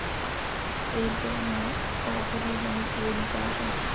Jde mu o odhození původní tváře.